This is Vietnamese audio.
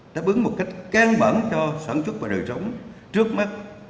đã bứng một cách can bản cho sản xuất và đời sống trước mắt